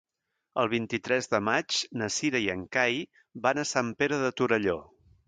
El vint-i-tres de maig na Cira i en Cai van a Sant Pere de Torelló.